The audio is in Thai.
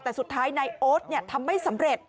แต่สุดท้ายนายโอ๊ตทำไม่สำเร็จ